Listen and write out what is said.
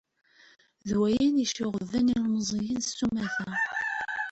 Dwayen iceɣben ilemẓiyen s umata.